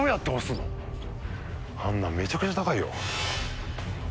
あんなんめちゃくちゃ高い。